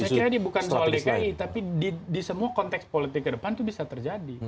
saya kira ini bukan soal dki tapi di semua konteks politik ke depan itu bisa terjadi